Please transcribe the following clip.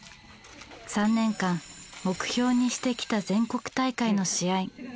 ３年間目標にしてきた全国大会の試合。